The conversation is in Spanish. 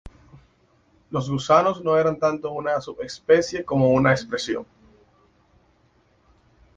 Los gusanos no eran tanto una sub-especie como una expresión.